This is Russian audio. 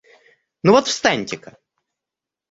Ну вот встаньте-ка.